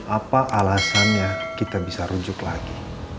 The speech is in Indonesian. apa alasannya kita bisa rujuk lagi